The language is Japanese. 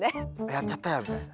やっちゃったよみたいな。